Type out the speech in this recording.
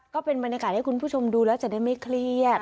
ก็เป็นบรรยากาศให้คุณผู้ชมดูแล้วจะได้ไม่เครียด